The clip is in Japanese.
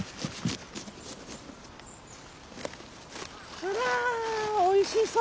あらおいしそう。